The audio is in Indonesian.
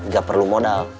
gak perlu modal